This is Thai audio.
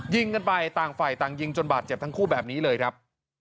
ยิงกันไปต่างฝ่ายต่างยิงจนบาดเจ็บทั้งคู่แบบนี้เลยครับ